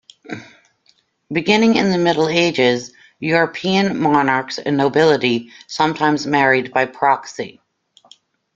Beginning in the Middle Ages, European monarchs and nobility sometimes married by proxy.